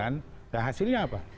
nah hasilnya apa